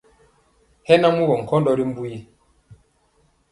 Hɛ na mugɔ nkɔndɔ ri mbu yi.